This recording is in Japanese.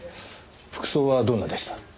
服装はどんなでした？